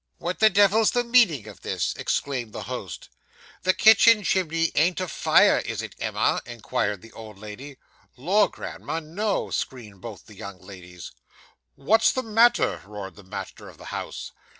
'What the devil's the meaning of this?' exclaimed the host. 'The kitchen chimney ain't a fire, is it, Emma?' inquired the old lady. 'Lor, grandma! No,' screamed both the young ladies. 'What's the matter?' roared the master of the house.